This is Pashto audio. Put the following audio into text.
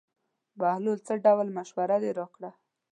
بهلوله څه ډول مشوره دې راکړې وه.